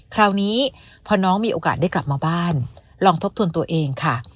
คราวนี้พอน้องมีโอกาสได้กลับมาบ้านลองทบทวนตัวเองค่ะ